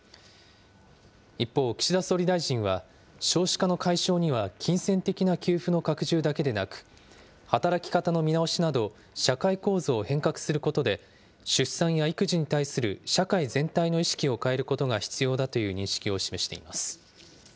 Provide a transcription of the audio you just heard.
一方、岸田総理大臣は、少子化の解消には、金銭的な給付の拡充だけでなく、働き方の見直しなど、社会構造を変革することで出産や育児に対する社会全体の意識を変えることが必要だという認識を示しています。